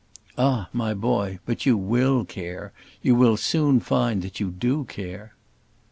"Ah! my boy; but you will care: you will soon find that you do care."